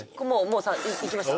もういきました？